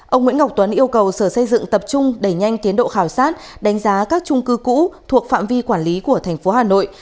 ông nguyễn ngọc tuấn yêu cầu sở xây dựng tập trung đẩy nhanh tiến độ khảo sát đánh giá các trung cư cũ thuộc phạm vi quản lý của thành phố hà nội